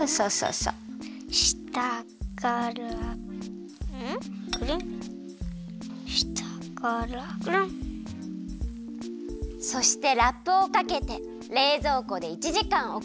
そしてラップをかけてれいぞうこで１時間おくよ。